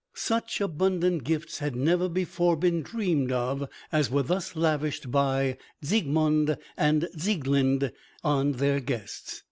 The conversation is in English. Such abundant gifts had never before been dreamed of as were thus lavished by Siegmund and Sieglinde on their guests.